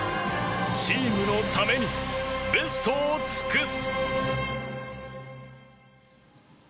チームのためにベストを尽くす。